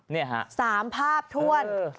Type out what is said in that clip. นี่ฮะ๓ภาพถ้วน